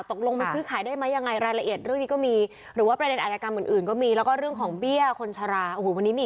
ตกลงมันซื้อขายได้มั้ยยังไงรายละเอียดเรื่องนี้ก็มี